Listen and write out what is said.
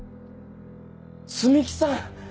摘木さん！